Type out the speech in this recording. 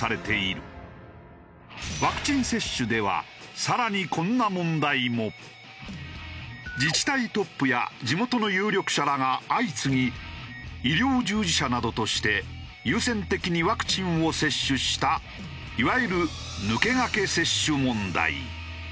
ワクチン接種では自治体トップや地元の有力者らが相次ぎ医療従事者などとして優先的にワクチンを接種したいわゆる抜け駆け接種問題。